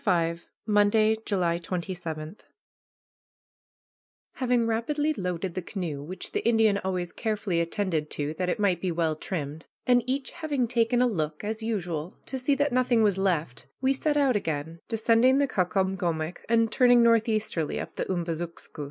V MONDAY, JULY 27 Having rapidly loaded the canoe, which the Indian always carefully attended to, that it might be well trimmed, and each having taken a look, as usual, to see that nothing was left, we set out again, descending the Caucomgomoc, and turning northeasterly up the Umbazookskus.